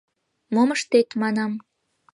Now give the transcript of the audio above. «Мом ыштет?» — манам.